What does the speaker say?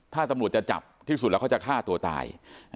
ถ้าตำรวจจะจับที่สุดแล้วเขาจะฆ่าตัวตาย